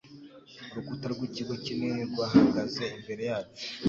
Urukuta rw'ikigo kinini rwahagaze imbere yacu